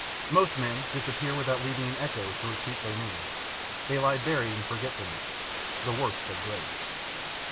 Most men disappear without leaving an echo to repeat their name; they lie buried in forgetfulness, the worst of graves.